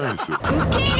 ウケる！